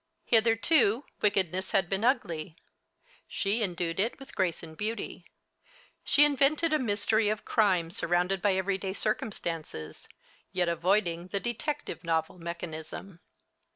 Hitherto, wickedness had been ugly. She endued it with grace and beauty. She invented a mystery of crime surrounded by everyday circumstances, yet avoiding the "detective novel" mechanism.